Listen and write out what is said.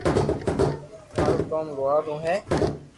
مارو ڪوم لوھار رو ھي